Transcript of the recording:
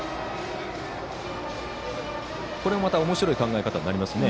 これはまた、おもしろい考え方になりますね。